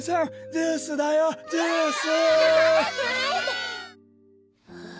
ジュースだよジュース！はあ。